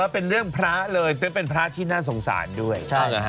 เป็นเรื่องพระเลยเป็นพระที่น่าสงสารด้วย